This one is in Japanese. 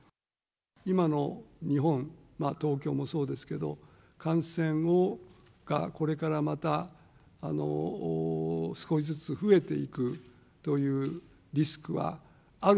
今の日本、東京もそうですけど、感染がこれからまた少しずつ増えていくというリスクはある。